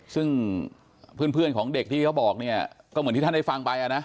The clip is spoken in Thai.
ซึ่งเพื่อนของเด็กที่เขาบอกเนี่ยก็เหมือนที่ท่านได้ฟังไปอ่ะนะ